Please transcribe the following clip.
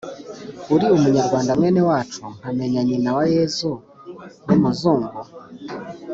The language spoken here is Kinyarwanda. uri umunyarwanda mwene wacu nkamenya nyina wa yezu w’umuzungu?